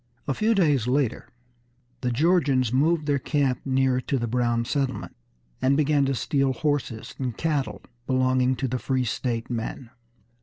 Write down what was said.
A few days later the Georgians moved their camp nearer to the Brown settlement, and began to steal horses and cattle belonging to the free state men.